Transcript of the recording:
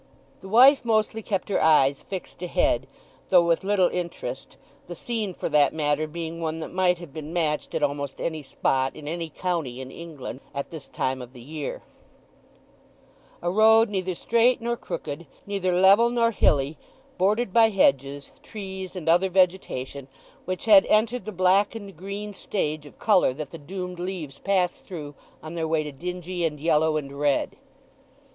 The wife mostly kept her eyes fixed ahead, though with little interest—the scene for that matter being one that might have been matched at almost any spot in any county in England at this time of the year; a road neither straight nor crooked, neither level nor hilly, bordered by hedges, trees, and other vegetation, which had entered the blackened green stage of colour that the doomed leaves pass through on their way to dingy, and yellow, and red.